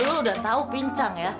lo udah tau pincang ya